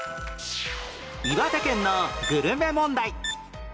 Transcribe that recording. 岩手県のグルメ問題